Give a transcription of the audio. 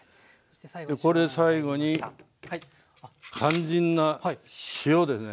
これ最後に肝心な塩ですね。